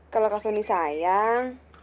kalau kak soni sayang